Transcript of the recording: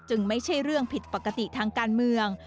ไม่ใช่เรื่องผิดปกติทางการเมือง